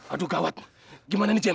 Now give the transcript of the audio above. aduh gawat gimana ini jam